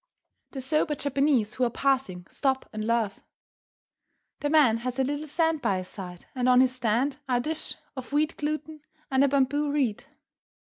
The sober Japanese who are passing stop and laugh. The man has a little stand by his side, and on this stand are a dish of wheat gluten and a bamboo reed.